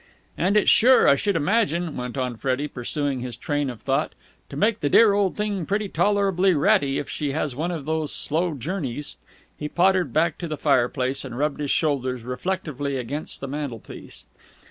"And it's sure, I should imagine," went on Freddie, pursuing his train of thought, "to make the dear old thing pretty tolerably ratty, if she has one of those slow journeys." He pottered back to the fireplace, and rubbed his shoulders reflectively against the mantelpiece.